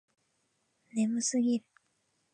眠すぎる